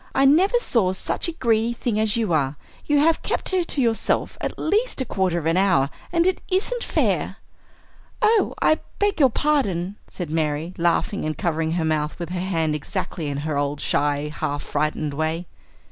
I never saw such a greedy thing as you are; you have kept her to yourself at least a quarter of an hour, and it isn't fair." "Oh, I beg your pardon," said Mary, laughing and covering her mouth with her hand exactly in her old, shy, half frightened way.